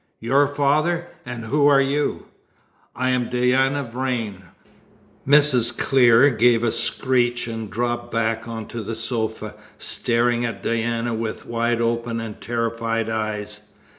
"Your father? And who are you?" "I am Diana Vrain." Mrs. Clear gave a screech, and dropped back on to the sofa, staring at Diana with wide open and terrified eyes.